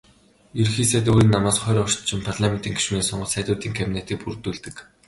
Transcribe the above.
Ерөнхий сайд өөрийн намаас хорь орчим парламентын гишүүнийг сонгож "Сайдуудын кабинет"-ийг бүрдүүлдэг.